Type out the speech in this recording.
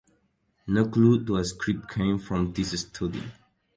No clue to a script came from this study.